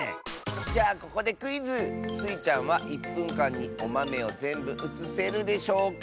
じゃあここでクイズ！スイちゃんは１ぷんかんにおまめをぜんぶうつせるでしょうか？